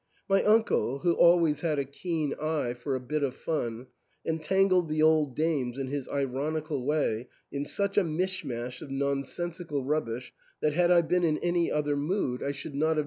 My uncle, who always had a keen eye for a bit of fun, entangled the old dames in his ironical way in such a mish mash of nonsensical rubbish that, had I been in any other mood, I should not have THE ENTAIL.